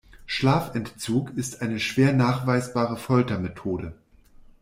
Schlafentzug ist eine schwer nachweisbare Foltermethode.